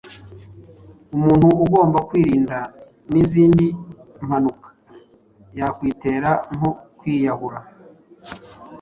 Umuntu agomba kwirinda n’izindi mpanuka yakwitera nko kwiyahura